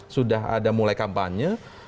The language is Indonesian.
sudah ada mulai kampanye